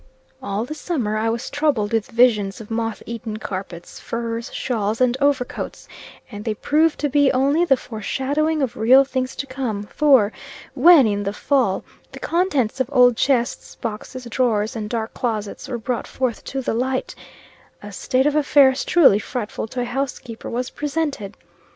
All the summer, I was troubled with visions of moth eaten carpets, furs, shawls, and overcoats; and they proved to be only the foreshadowing of real things to come, for, when, in the fall, the contents of old chests, boxes, drawers, and dark closets were brought forth to the light, a state of affairs truly frightful to a housekeeper, was presented.